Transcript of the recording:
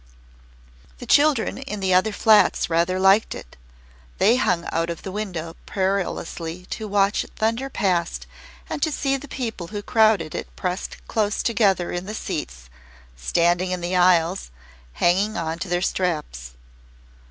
The children in the other flats rather liked it. They hung out of the window perilously to watch it thunder past and to see the people who crowded it pressed close together in the seats, standing in the aisles, hanging on to the straps.